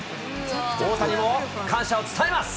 大谷も感謝を伝えます。